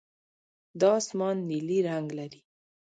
دا اسمان نیلي رنګ لري.